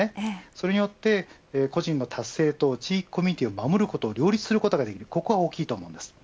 それによって、個人の達成と地域コミュニティーを守ることを両立することができます。